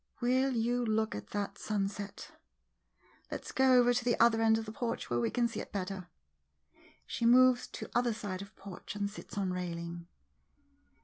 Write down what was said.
Will you look at that sunset— let 's go over to the other end of the porch, where we can see it better. [She moves to other side of porch and sits on railing.